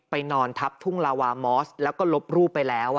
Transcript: นอนทับทุ่งลาวามอสแล้วก็ลบรูปไปแล้ว